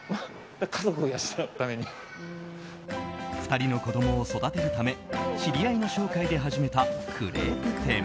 ２人の子供を育てるため知り合いの紹介で始めたクレープ店。